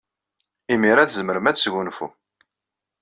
Imir-a, tzemrem ad tesgunfum.